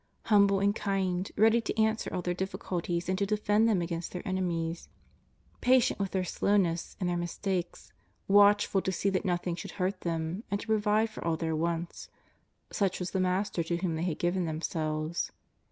Humble and kind, ready to answer all their difficulties and to defend them against their enemies, patient with their slowness and their mistakes, watchful to see that nothing should hurt them, and to provide for all their wants — such was the Master to whom they had given themselves.